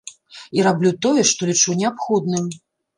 І раблю тое, што лічу неабходным.